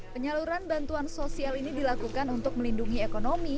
penyaluran bantuan sosial ini dilakukan untuk melindungi ekonomi